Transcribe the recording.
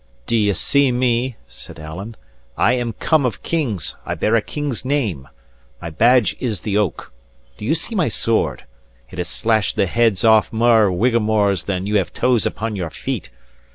"Do ye see me?" said Alan. "I am come of kings; I bear a king's name. My badge is the oak. Do ye see my sword? It has slashed the heads off mair Whigamores than you have toes upon your feet.